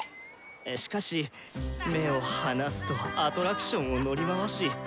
しかし目を離すとアトラクションを乗り回し。